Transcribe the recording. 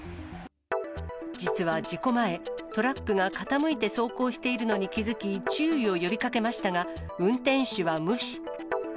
実は事故前、トラックが傾いて走行しているのに気付き、注意を呼びかけましたが、運転手は無視。